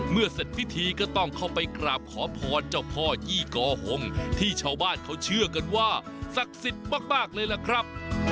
เสร็จพิธีก็ต้องเข้าไปกราบขอพรเจ้าพ่อยี่กอหงที่ชาวบ้านเขาเชื่อกันว่าศักดิ์สิทธิ์มากเลยล่ะครับ